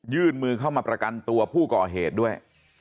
ยื่นมือเข้ามาประกันตัวผู้ก่อเหตุด้วย